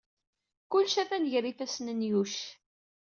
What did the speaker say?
Kullec atan gar yifassen n Yuc.